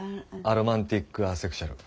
アロマンティック・アセクシュアル。